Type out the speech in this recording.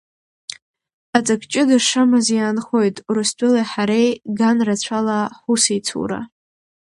Аҵак ҷыда шамаз иаанхоит Урыстәылеи ҳареи ганрацәала ҳусеицура.